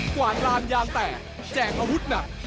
กว่านลานยางแตกแจกอาวุธหนัก